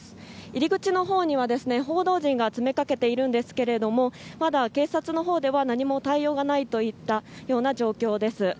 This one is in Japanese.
入口のほうには、報道陣が詰めかけているんですがまだ警察のほうでは何も対応がないといった状況です。